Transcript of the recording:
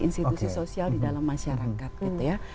institusi sosial di dalam masyarakat gitu ya